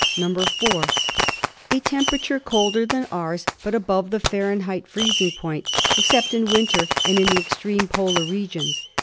"(4) A temperature colder than ours, but above the Fahrenheit freezing point, except in winter and in the ex treme polar regions.